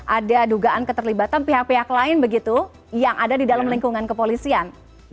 ada dugaan keterlibatan pihak pihak lain begitu yang ada di dalam lingkungan kepolisian